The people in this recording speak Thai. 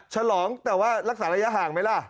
ฉลองแต่ว่ารักษาระยะห่างไหมล่ะ